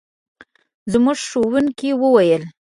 زموږ ښوونکي وویل.